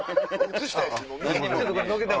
映したい。